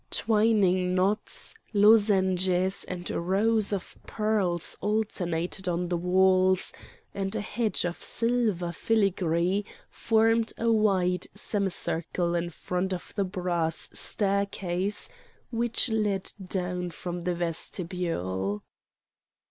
Twining knots, lozenges, and rows of pearls alternated on the walls, and a hedge of silver filigree formed a wide semicircle in front of the brass staircase which led down from the vestibule.